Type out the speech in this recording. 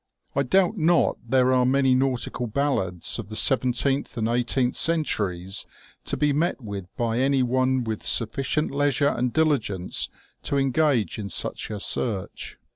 I doubt not there are many nautical ballads of the seventeenth and eighteenth centuries to be met with by any one with sufficient leisure and diligence to engage in such a search.